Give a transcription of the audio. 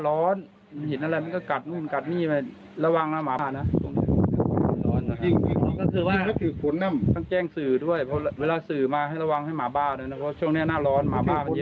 ก็คือสื่อมาให้ระวังให้หมาบ้าหน่อยครั้งนี้หน้าร้อนหมาบ้ามันเยี้ยม